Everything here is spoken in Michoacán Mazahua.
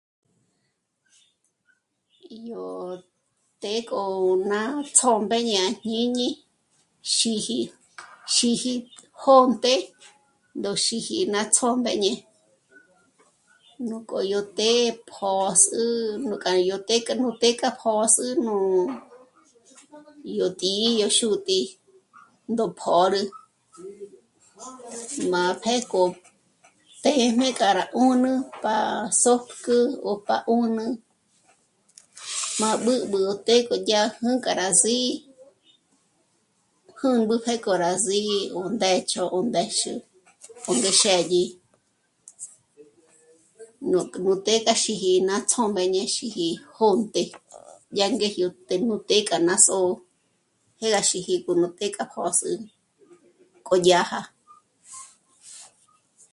Yó të́'ë k'o ná tsjómbéñe à jñíñi xíji, xíji jônte ndó xíji ná tsjómbéñe, nuk'o yó të́'ë pö̌s'ü nuk'a í yó të́'ë k'a pö̌s'ü nú yó tǐ'i, yó xútǐ'i ndópjö̌rü. Má pjék'o të́'ëjmé k'a rá 'ùnü pa sópk'ü gó pa 'ùnü má b'ǚb'ü të́'ë k'o dyá jǘ'ü k'a rá sí'i, jǚngü pjék'o rá sí'i ó ndéchjo ndéxü ó ndé xë́dyi, nòk' b'ǘ të́'ë k'a xíji ná tsjómbéñe xíji jônté yá ngéjyo të́'ë, nú të́'ë k'a ná só'o jé gá xíji k'o nú të́'ë k'a k'ö̌s'ü k'odyàja